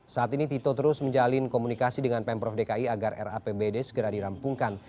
saat ini tito terus menjalin komunikasi dengan pemprov dki agar rapbd segera dirampungkan